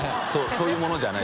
そういうものじゃない。